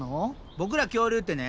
ボクら恐竜ってね